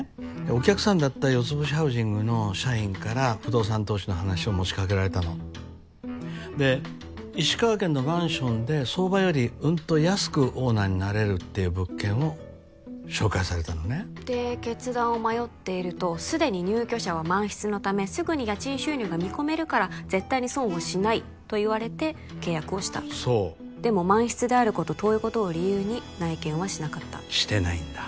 お客さんだった四つ星ハウジングの社員から不動産投資の話を持ち掛けられたので石川県のマンションで相場よりうんと安くオーナーになれるっていう物件を紹介されたのねで決断を迷っているとすでに入居者は満室のためすぐに家賃収入が見込めるから絶対に損をしないと言われて契約をしたそうでも満室であること遠いことを理由に内見はしなかったしてないんだ